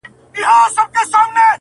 • او نه هېرېدونکي پاتې کيږي ډېر..